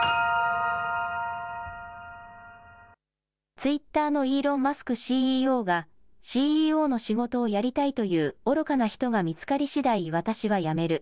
ツイッターのイーロン・マスクＣＥＯが、ＣＥＯの仕事をやりたいという愚かな人が見つかりしだい、私は辞める。